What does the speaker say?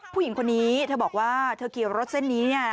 ผู้หญิงคนนี้เธอบอกว่าเธอขี่รถเส้นนี้เนี่ย